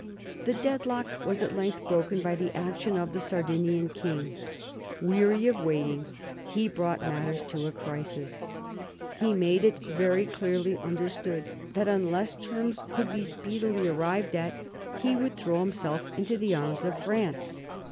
The deadlock was at length broken by the action of the Sardinian king. Weary of waiting, he brought matters to a crisis. He made it very clearly understood that unless terms could be speedily arrived at, he would throw himself into the arms of France.